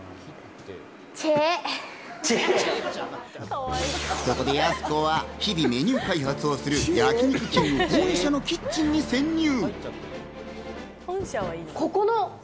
そこでやす子は日々メニュー開発をする焼肉きんぐ本社のキッチンに潜入。